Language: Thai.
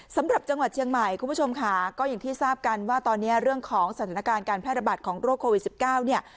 จังหวัดเชียงใหม่คุณผู้ชมค่ะก็อย่างที่ทราบกันว่าตอนนี้เรื่องของสถานการณ์การแพร่ระบาดของโรคโควิด๑๙เนี่ย